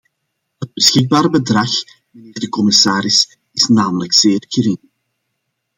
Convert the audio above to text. Het beschikbare bedrag, mijnheer de commissaris, is namelijk zeer gering.